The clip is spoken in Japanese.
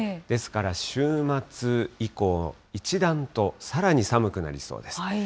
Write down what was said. ですから、週末以降、一段とさらに寒くなりそうです。